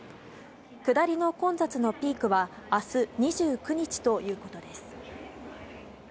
下りの混雑のピークはあす２９日ということです。